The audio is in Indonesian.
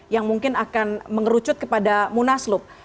yang mungkin akan mengerucut kepada munaslup